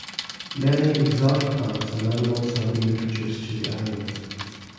Many exotic plants and animals have been introduced to the islands.